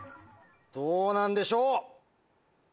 どうなんでしょう？